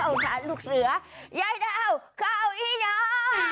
มาดูยายกับหลูกเสือใยเราเข้าอีนง